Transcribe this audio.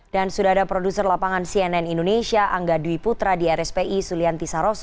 dan sudah ada produser lapangan cnn indonesia angga dwi putra di rspi sulianti saroso